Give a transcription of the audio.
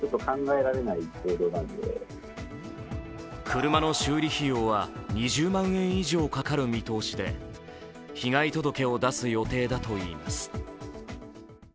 車の修理費用は２０万円以上かかる見通しで被害届を出す予定だといいます。